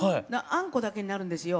あんこだけになるんですよ。